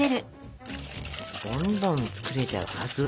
どんどん作れちゃうはず。